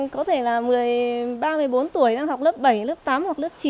có thể là ba mươi bốn tuổi đang học lớp bảy lớp tám hoặc lớp chín